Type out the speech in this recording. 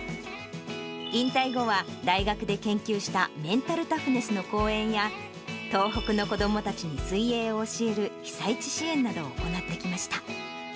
引退後は、大学で研究したメンタルタフネスの講演や、東北の子どもたちに水泳を教える被災地支援まで行ってきました。